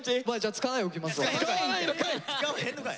使わへんのかい。